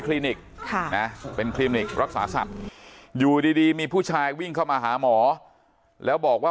คลินิคใช่ไหมเป็นคลินิครักษาศัพท์อยู่ดีมีผู้ชายวิ่งเข้ามาหามหา